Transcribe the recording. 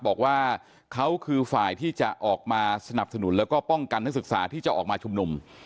บอกว่าเขาคือฝ่ายที่จะออกมาสนับสนุนแล้วก็ป้องกันนักศึกษาที่จะออกมาชุมนุม